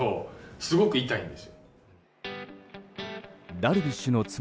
ダルビッシュの妻